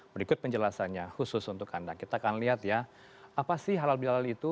berikut penjelasannya khusus untuk anda kita akan lihat ya apa sih halal bihalal itu